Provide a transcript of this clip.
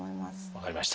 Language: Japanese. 分かりました。